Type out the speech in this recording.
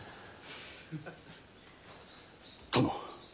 殿。